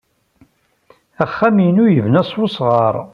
Axxam-inu yebna s usɣar.